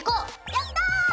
やった！